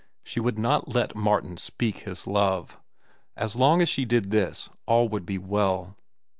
She would not let Martin speak his love. As long as she did this, all would be well.